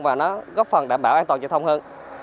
và nó góp phần đảm bảo an toàn giao thông hơn